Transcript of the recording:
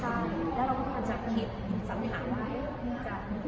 ไม่มีอะไรอยู่ด้วยมัวดิโกะอย่างนี้เลย